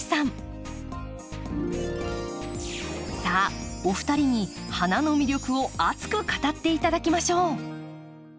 さあお二人に花の魅力を熱く語って頂きましょう。